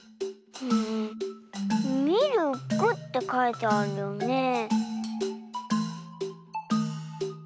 「みるく」ってかいてあるよねえ。